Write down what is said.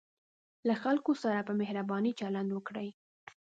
له خلکو سره په مهربانۍ چلند وکړئ.